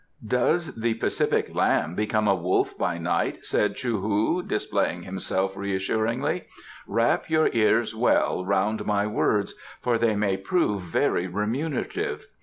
"Does the pacific lamb become a wolf by night?" said Chou hu, displaying himself reassuringly. "Wrap your ears well round my words, for they may prove very remunerative.